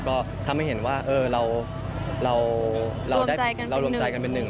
ก็ทำให้เห็นว่าเราได้เรารวมใจกันเป็นหนึ่ง